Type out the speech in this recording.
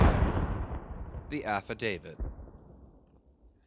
The Affidavit.